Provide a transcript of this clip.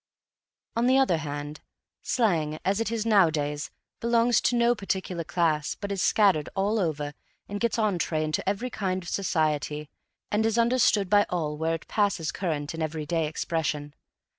On the other hand, slang, as it is nowadays, belongs to no particular class but is scattered all over and gets entre into every kind of society and is understood by all where it passes current in everyday expression.